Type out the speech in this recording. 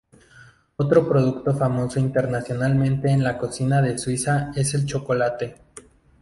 Otro producto famoso internacionalmente en la cocina de Suiza es el chocolate.